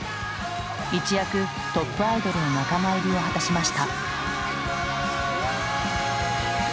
一躍トップアイドルの仲間入りを果たしました。